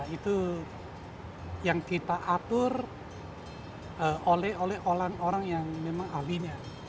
itu yang kita atur oleh orang orang yang memang ahlinya